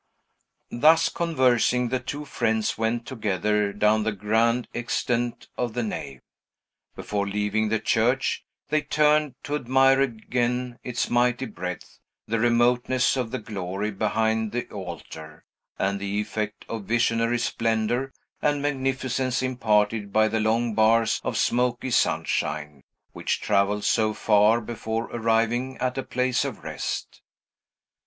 Thus conversing, the two friends went together down the grand extent of the nave. Before leaving the church, they turned to admire again its mighty breadth, the remoteness of the glory behind the altar, and the effect of visionary splendor and magnificence imparted by the long bars of smoky sunshine, which travelled so far before arriving at a place of rest.